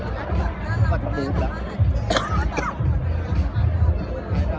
แปลงแปลงแต่เป็นเพื่อน